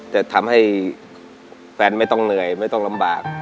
จะทำให้แฟนไม่ต้องเหนื่อยไม่ต้องลำบาก